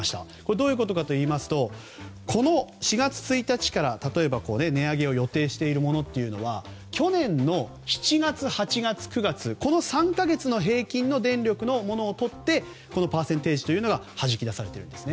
どういうことかといいますと４月１日から例えば値上げを予定しているものは去年の７月、８月、９月この３か月の平均の電力のものをとってこのパーセンテージがはじき出されています。